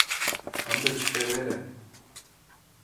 — Ынде чыте веле!